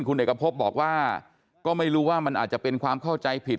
คุณเอกพบบอกว่าก็ไม่รู้ว่ามันอาจจะเป็นความเข้าใจผิด